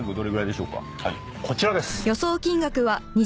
こちらです。